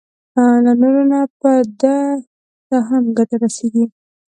له نورو نه به ده ته هم ګټه رسېږي.